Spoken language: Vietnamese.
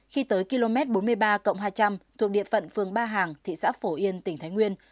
khi tới km bốn mươi ba hai trăm linh thuộc địa phận phường ba hàng thị xã phổ yên tỉnh thái nguyên